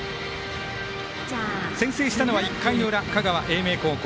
先制したのは１回の裏香川・英明高校。